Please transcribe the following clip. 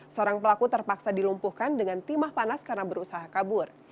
seorang pelaku terpaksa dilumpuhkan dengan timah panas karena berusaha kabur